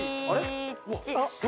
あれ？